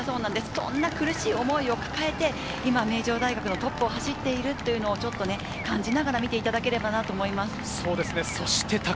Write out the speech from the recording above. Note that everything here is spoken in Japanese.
そんな苦しい思いを抱えて今、名城大学のトップを走っている、そういうのを感じながら見ていただければと思います。